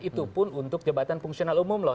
itu pun untuk jabatan fungsional umum loh